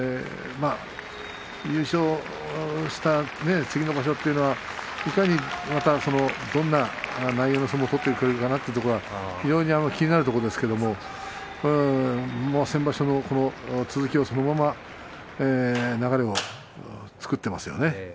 優勝した次の場所というのはいかにまたどんな内容の相撲を取ってくれるのかなと非常に気になるところですけれども先場所の続きそのまま流れを作っていますね。